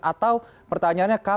atau pertanyaannya kapan